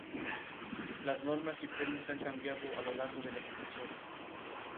Desde entonces la receta ha cambiado considerablemente y cada marca tiene su receta.